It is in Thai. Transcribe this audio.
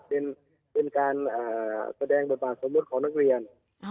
เป็นการแสดงบทบาทสมมุติของนักเรียน